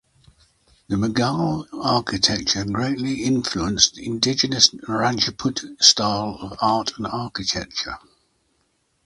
The Mughal architecture greatly influenced indigenous Rajput styles of art and architecture.